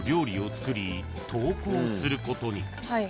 作り投稿することに］